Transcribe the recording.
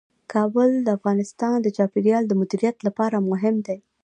کابل د افغانستان د چاپیریال د مدیریت لپاره مهم دي.